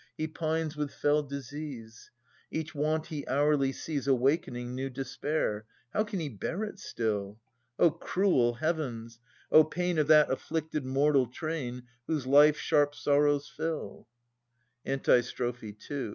He pines with fell disease ; Each want he hourly sees Awakening new despair. How can he bear it still? O cruel Heavens! O pain Of that afflicted mortal train Whose life sharp sorrows fill! Antistrophe II.